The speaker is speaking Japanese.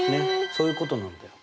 そういうことなんだよ。